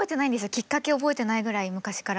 きっかけ覚えてないぐらい昔から。